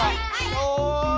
おい！